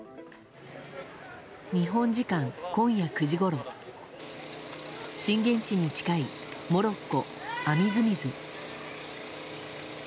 日本時間、今夜９時ごろ震源地に近いモロッコ・アミズミズ。